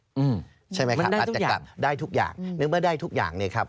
อืมใช่ไหมครับได้ทุกอย่างนึกว่าได้ทุกอย่างเนี้ยครับ